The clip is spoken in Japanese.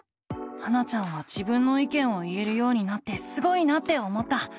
ハナちゃんは自分の意見を言えるようになってすごいなって思った。